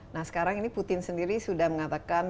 nah sekarang ini putin sendiri sudah mengatakan